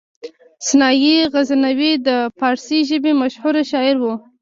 سنايي غزنوي د فارسي ژبې مشهور شاعر و.